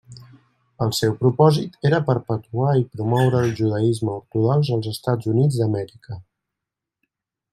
El seu propòsit era perpetuar i promoure el judaisme ortodox als Estats Units d'Amèrica.